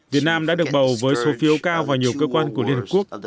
việt nam đã được bầu với số phiếu cao và nhiều cơ quan của liên hợp quốc